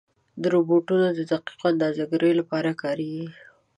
روبوټونه د دقیقو اندازهګیرو لپاره کارېږي.